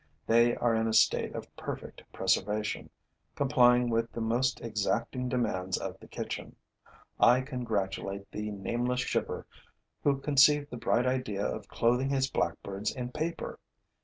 They are in a state of perfect preservation, complying with the most exacting demands of the kitchen. I congratulate the nameless shipper who conceived the bright idea of clothing his blackbirds in paper.